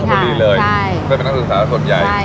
เป็นนักศึกษาส่วนใหญ่ใช่ค่ะเป็นนักศึกษาส่วนใหญ่